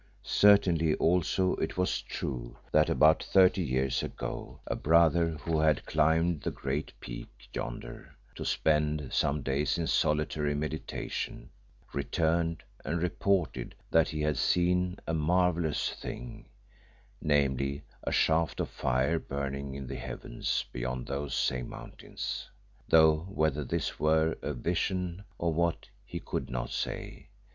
Certainly also it was true that about thirty years ago a brother who had climbed the great peak yonder to spend some days in solitary meditation, returned and reported that he had seen a marvellous thing, namely, a shaft of fire burning in the heavens beyond those same mountains, though whether this were a vision, or what, he could not say.